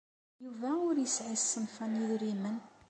Yuba ur yesɛi ṣṣenf-a n yedrimen.